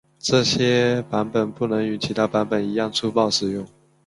这些版本不能与其他版本一样粗暴使用。